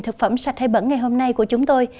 thực phẩm sạch hay bẩn ngày hôm nay của chúng tôi